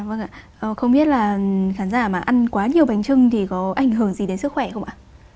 bạn có biết là khán giả mà ăn quá nhiều bánh trưng thì có ảnh hưởng gì đến sức khỏe không ạ